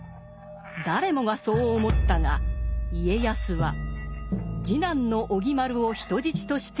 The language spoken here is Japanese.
誰もがそう思ったが家康は次男の於義丸を人質として送った。